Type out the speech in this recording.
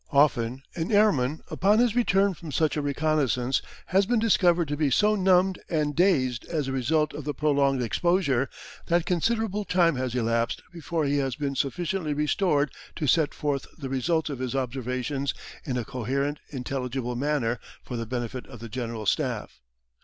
Often an airman upon his return from such a reconnaissance has been discovered to be so numbed and dazed as a result of the prolonged exposure, that considerable time has elapsed before he has been sufficiently restored to set forth the results of his observations in a coherent, intelligible manner for the benefit of the General Staff.